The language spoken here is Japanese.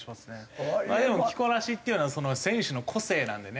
でも着こなしっていうのは選手の個性なんでね。